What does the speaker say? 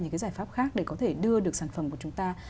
những cái giải pháp khác để có thể đưa được sản phẩm của chúng ta